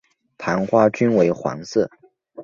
盘花均为黄色。